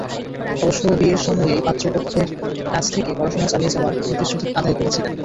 অবশ্য বিয়ের সময়েই পাত্রপক্ষের কাছ থেকে পড়াশোনা চালিয়ে যাওয়ার প্রতিশ্রুতি আদায় করেছিলেন।